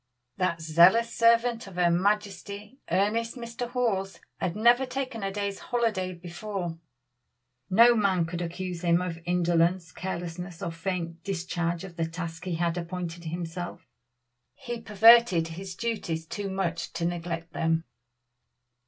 That zealous servant of her majesty, earnest Mr. Hawes, had never taken a day's holiday before. No man could accuse him of indolence, carelessness, or faint discharge of the task he had appointed himself. He perverted his duties too much to neglect them.